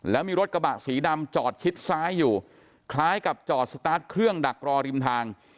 แล้วมีรถกระบะสีดำจอดชิดซ้ายอยู่คล้ายกับจอดสตาร์ทเครื่องดักรอริมทาง